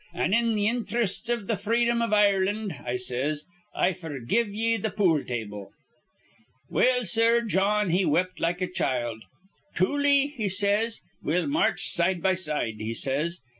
'An' in th' inthrests iv th' freedom iv Ireland,' I says, 'I f'rgive ye th' pool table.' "Well, sir, Jawn, he wept like a child. 'Tooley,' he says, 'we'll march side be side,' he says.